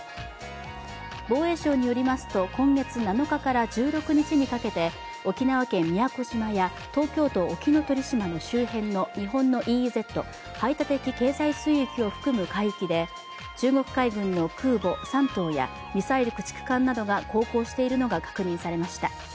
防衛省によりますと、今月７日から１６日にかけて沖縄県宮古島や東京都沖ノ鳥島の周辺の日本のＥＥＺ＝排他的経済水域を含む海域で中国海軍の空母「山東」やミサイル駆逐艦などが航行しているのが確認されました。